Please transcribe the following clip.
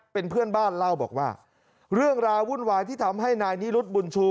เป็นเพื่อนบ้านเล่าบอกว่าเรื่องราววุ่นวายที่ทำให้นายนิรุธบุญชู